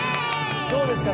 どうですか？